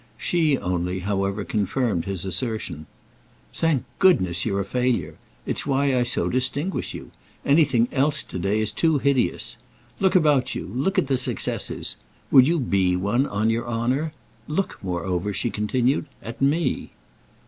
She only, however, confirmed his assertion. "Thank goodness you're a failure—it's why I so distinguish you! Anything else to day is too hideous. Look about you—look at the successes. Would you be one, on your honour? Look, moreover," she continued, "at me."